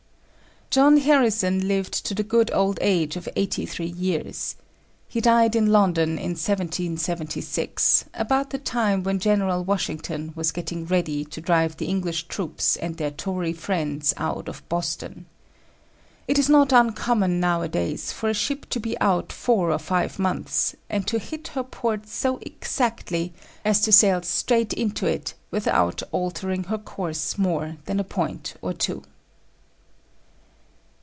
John Harrison lived to the good old age of eighty three years. He died in London in 1776, about the time when General Washington was getting ready to drive the English troops and their Tory friends out of Boston. It is not uncommon nowadays for a ship to be out four or five months, and to hit her port so exactly as to sail straight into it without altering her course more than a point or two.